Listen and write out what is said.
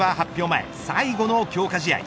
前最後の強化試合。